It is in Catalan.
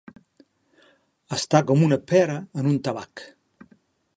Estar com una pera en un tabac.